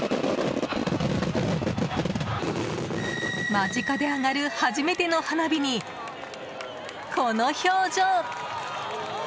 間近で上がる初めての花火に、この表情。